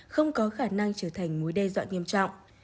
không có khả năng trở thành mối đe dọa nghiêm trọng